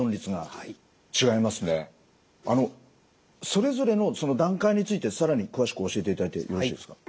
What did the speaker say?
それぞれの段階について更に詳しく教えていただいてよろしいですか？